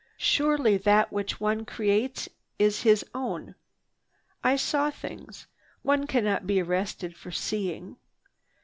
Surely that which one creates is his own. I saw things. One cannot be arrested for seeing.